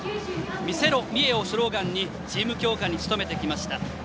「魅せろ、三重」をスローガンにチーム強化に努めてきました。